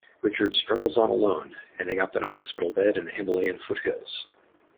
Richard struggles on alone, ending up in a hospital bed in the Himalayan foothills.